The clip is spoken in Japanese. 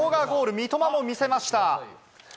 三笘も見せました。